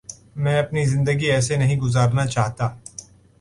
میں اپنی زندگی ایسے نہیں گزارنا چاہتا۔